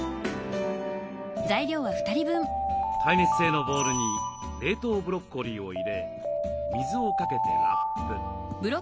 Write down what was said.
耐熱性のボウルに冷凍ブロッコリーを入れ水をかけてラップ。